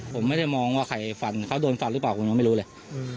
ผมไม่ได้มองว่าใครฟันเขาโดนฟันหรือเปล่าผมยังไม่รู้เลย